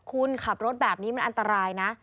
คุณขับรถแบบนี้มันอันตรายนะ